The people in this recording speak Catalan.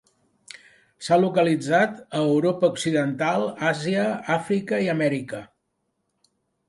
S'ha localitzat a Europa occidental, Àsia, Àfrica i Amèrica.